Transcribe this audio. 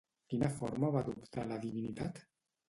Quina forma va adoptar la divinitat?